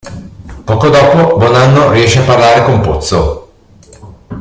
Poco dopo Bonanno riesce a parlare con Pozzo.